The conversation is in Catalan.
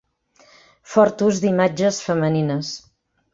Fort ús d'imatges femenines.